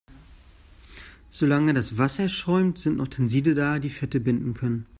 Solange das Wasser schäumt, sind noch Tenside da, die Fette binden können.